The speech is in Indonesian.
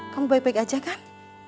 kamu baik baik aja kan